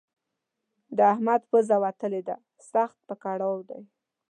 د احمد پزه وتلې ده؛ سخت په کړاو دی.